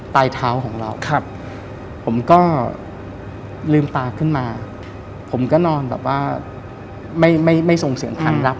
ตายเท้าของเราผมก็ลืมตาขึ้นมาผมก็นอนแบบว่าไม่ไม่ส่งเสียงคันลับ